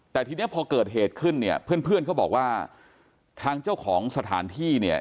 แต่ทีนี้พอเกิดเหตุขึ้นเนี่ยเพื่อนเขาบอกว่าทางเจ้าของสถานที่เนี่ย